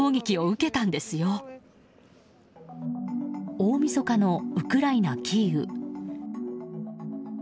大みそかのウクライナ・キーウ。